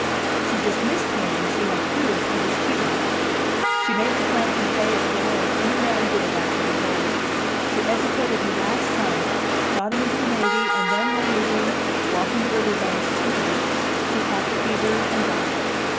She dismissed him when she had proved he was cheating her; she made the planting pay as well as any man did after the war; she educated her last son, got him into the navy, and then, one evening, walking the river banks too late, she caught the fever and died.